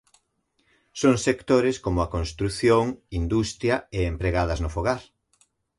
Son sectores como a construción, industria e empregadas no fogar.